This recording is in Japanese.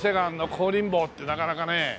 香林坊ってなかなかね。